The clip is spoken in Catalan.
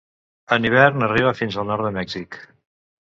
En hivern arriba fins al nord de Mèxic.